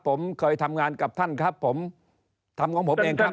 ผมเคยทำงานกับท่านครับผมทำของผมเองครับ